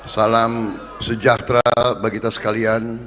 salam sejahtera bagi kita sekalian